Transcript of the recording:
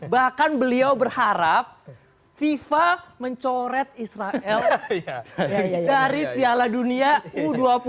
bahkan beliau berharap fifa mencoret israel dari piala dunia u dua puluh